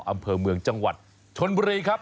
อำเภอเมืองจังหวัดชนบุรีครับ